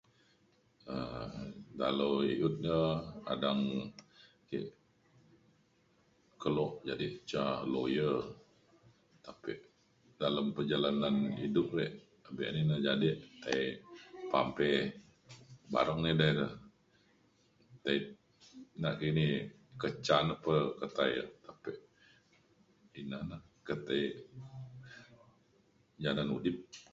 um dalau i’ut da adang ke kelo jadek ca lawyer tapek dalem perjalanan hidup e abe na ina jadek tai pampe bareng edei re ti- nakini ke ca na ketai ake ina na ke tei janan udip